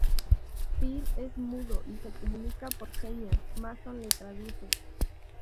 Phil es mudo y se comunica por señas, Mason le traduce.